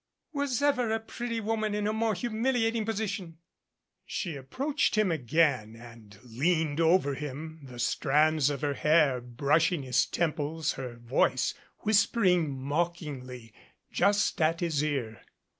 Was ever a pretty woman in a more humiliating position !" She approached him again and leaned over him, the 75 MADCAP strands of her hair brushing his temples, her voice whis pering mockingly just at his ear.